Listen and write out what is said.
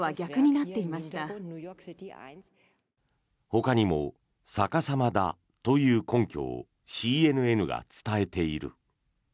ほかにも逆さまだという根拠をＣＮＮが伝えている。